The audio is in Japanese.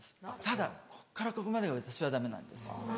ただこっからここまでが私はダメなんですよ。